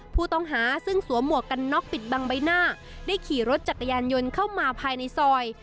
ผู้ต้องหาซึ่งสวมหมวกกันน็อกปิดบังใบหน้าได้ขี่รถจักรยานยนต์เข้ามาภายในซอย